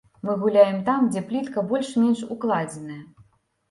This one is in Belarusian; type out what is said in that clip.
Мы гуляем там, дзе плітка больш-менш укладзеная.